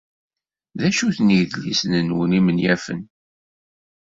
D acu-ten yidlisen-nwen imenyafen?